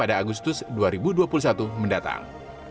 pada agustus dua ribu dua puluh satu mendatang